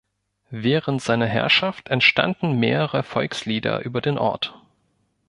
Während seiner Herrschaft entstanden mehrere Volkslieder über den Ort.